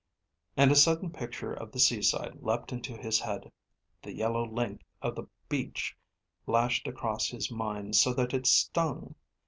And a sudden picture of the seaside leapt into his head. The yellow length of the beach lashed across his mind so that it stung.